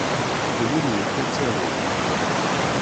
Ddem imru-k ad taruḍ.